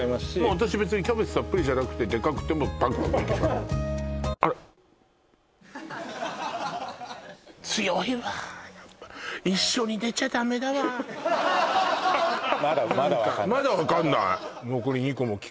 私別にキャベツたっぷりじゃなくてでかくてもパクパクいくわよふん強いわやっぱなんかまだわかんない？